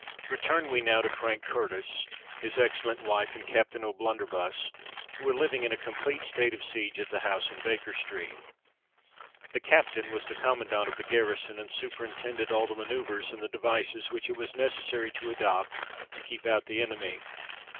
Return we now to Frank Curtis, his excellent wife, and Captain O'Blunderbuss, who were living in a complete state of siege at the house in Baker Street. The captain was the commandant of the garrison, and superintended all the manœuvres and the devices which it was necessary to adopt to keep out the enemy.